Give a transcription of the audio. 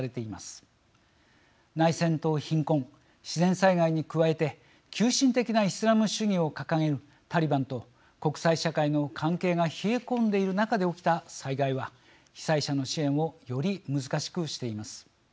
内戦と貧困自然災害に加えて急進的なイスラム主義を掲げるタリバンと国際社会の関係が冷え込んでいる中で起きた災害は被災者の支援をより難しくしています。